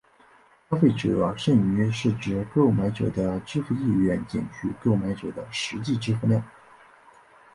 消费者剩余是指购买者的支付意愿减去购买者的实际支付量。